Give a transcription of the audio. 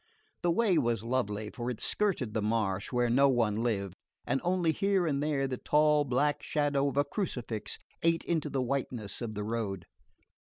The way was lonely, for it skirted the marsh, where no one lived; and only here and there the tall black shadow of a crucifix ate into the whiteness of the road.